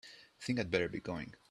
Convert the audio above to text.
Think I'd better be going.